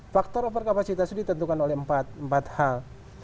faktor overcapacity itu ditentukan oleh empat hal